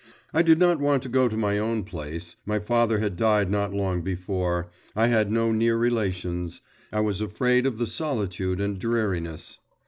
I did not want to go to my own place; my father had died not long before, I had no near relations, I was afraid of the solitude and dreariness.